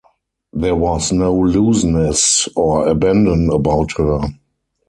There was no looseness or abandon about her.